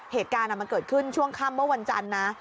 เหตุการณ์มันเกิดขึ้นช่วงค่ำเมื่อวันจันทร์นะ